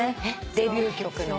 デビュー曲の。